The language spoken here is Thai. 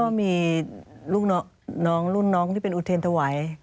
ก็มีลูกน้องรุ่นน้องที่เป็นอุเทรนถวาย